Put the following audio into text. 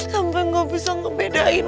sampai gak bisa ngebedain